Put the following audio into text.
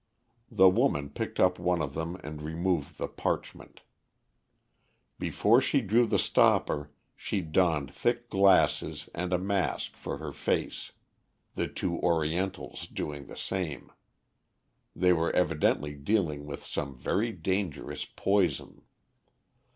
The woman picked up one of them and removed the parchment. Before she drew the stopper she donned thick glasses and a mask for her face, the two Orientals doing the same. They were evidently dealing with some very dangerous poison.